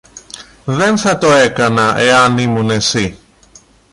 Δεν θα το έκανα εάν ήμουν εσύ.